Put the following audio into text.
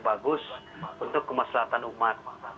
bagus untuk kemaslahan umat